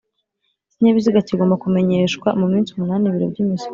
ikinyabiziga kigomba kumenyeshwa mu minsi umunani ibiro by'imisoro